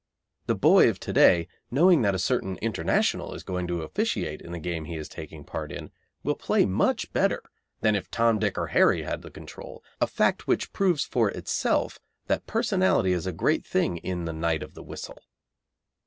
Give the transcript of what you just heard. The boy of to day, knowing that a certain International is going to officiate in the game he is taking part in, will play much better than if Tom, Dick, or Harry had the control, a fact which proves for itself that personality is a great thing in the "Knight of the Whistle."